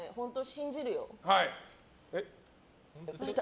信じるよ。